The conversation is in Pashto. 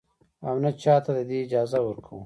او نـه چـاتـه د دې اجـازه ورکـو.